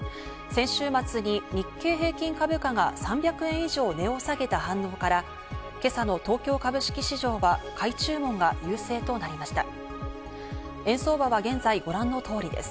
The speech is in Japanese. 先週末に日経平均株価が３００円以上値を下げた反動から、今朝の東京株式市場は買い注文が優勢となりました。